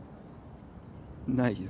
ないよ